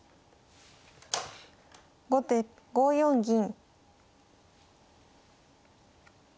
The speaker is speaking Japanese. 後手５四銀。